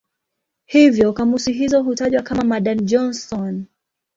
Hivyo kamusi hizo hutajwa kama "Madan-Johnson".